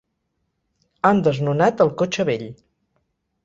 Han desnonat el cotxe vell.